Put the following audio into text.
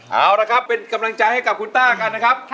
เอาละครับเป็นกำลังใจให้กับคุณต้ากันนะครับ